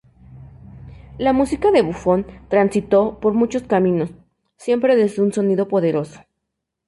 La música de Bufón transitó por muchos caminos, siempre desde un sonido poderoso.